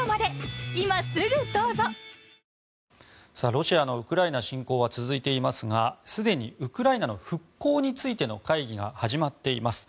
ロシアのウクライナ侵攻は続いていますがすでにウクライナの復興についての会議が始まっています。